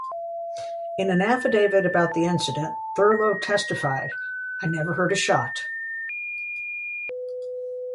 In an affidavit about the incident, Thurlow testified, I never heard a shot.